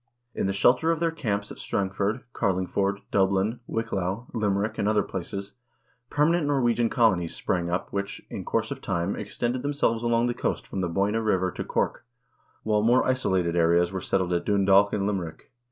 In the shelter of their camps THE VIKING PERIOD 63 at Strangford, Carlingford, Dublin, Wicklow, Limerick, and other places, permanent Norwegian colonies sprang up which, in course of time, extruded themselves along the coast from the Boyne River to Cork, while more isolated areas were settled at Dundalk and Limerick.